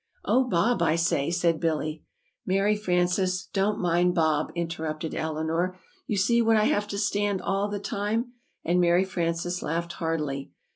"Oh, Bob, I say " said Billy. [Illustration: "Begin!"] "Mary Frances, don't mind Bob," interrupted Eleanor. "You see what I have to stand all the time." And Mary Frances laughed heartily.